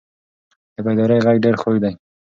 د بیدارۍ غږ ډېر خوږ دی.